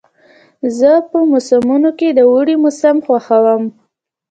زه په موسمونو کې د اوړي موسم خوښوم.